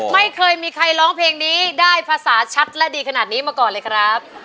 ไม่เคยมีใครร้องเพลงนี้ได้ภาษาชัดและดีขนาดนี้มาก่อนเลยครับ